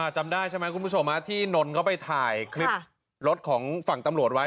จำได้ใช่ไหมคุณผู้ชมที่นนท์เขาไปถ่ายคลิปรถของฝั่งตำรวจไว้